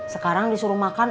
sekarang disuruh makan